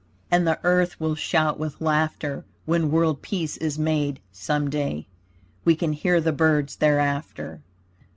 And the earth will shout with laughter, When world peace is made, some day. We can hear the birds thereafter.